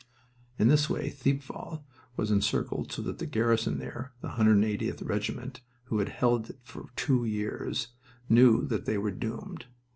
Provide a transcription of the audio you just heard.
In this way Thiepval was encircled so that the garrison there the 180th Regiment, who had held it for two years knew that they were doomed.